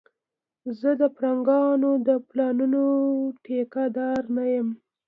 زه د پرنګيانو د پلانونو ټيکه دار نه یم